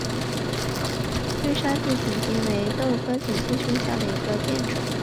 绿沙地锦鸡儿为豆科锦鸡儿属下的一个变种。